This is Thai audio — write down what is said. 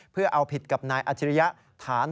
เพื่อเอาผิดกับนายอัจฉริยะฐาน